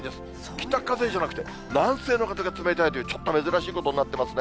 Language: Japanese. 北風じゃなくて、南西の風が冷たいという、ちょっと珍しいことになってますね。